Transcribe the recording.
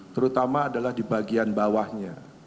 terutama adalah di bagian bawahnya